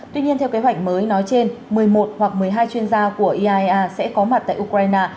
tuy nhiên theo kế hoạch mới nói trên một mươi một hoặc một mươi hai chuyên gia của iaea sẽ có mặt tại ukraine